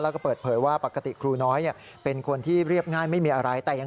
แล้วก็เปิดเผยว่าปรากฏิครูน้อยเนี่ยเป็นคนที่เรียบง่ายไม่มีอะไร